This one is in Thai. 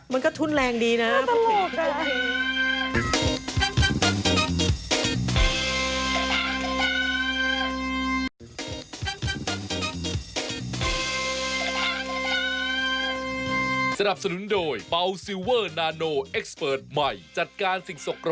พูดสักคำมดดำพูดอยู่คนเดียว